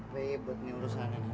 ribet nih urusan ini